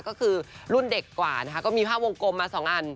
ก็คือรุ่นเด็กกว่านะคะก็มีภาพวงกลมมา๒อัน